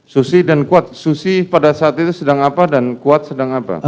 susi dan kuat susi pada saat itu sedang apa dan kuat sedang apa